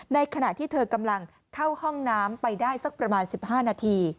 ขณะที่เธอกำลังเข้าห้องน้ำไปได้สักประมาณ๑๕นาที